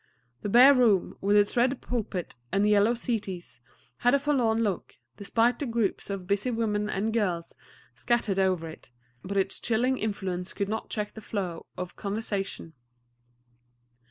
The bare room, with its red pulpit and yellow settees, had a forlorn look, despite the groups of busy women and girls scattered over it; but its chilling influence could not check the flow of conversation.